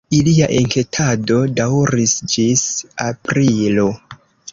Ilia enketado daŭris ĝis aprilo.